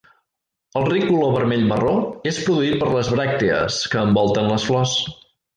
El ric color vermell-marró és produït per les bràctees que envolten les flors.